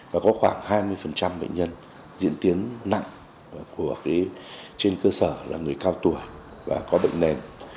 và có khoảng hai mươi bệnh nhân diễn tiến nặng trên cơ sở là người cao tuổi và có bệnh nền